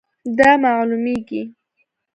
دا معلومیږي